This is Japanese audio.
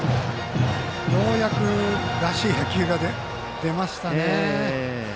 ようやくらしい野球が出ましたね。